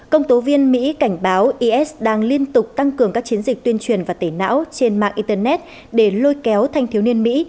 công tố viên mỹ cảnh báo is đang liên tục tăng cường các chiến dịch tuyên truyền và tẩy não trên mạng internet để lôi kéo thanh thiếu niên mỹ